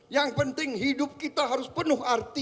yang penting hidup kita harus penuh arti